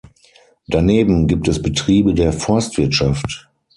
Daneben gibt es Betriebe der Forstwirtschaft.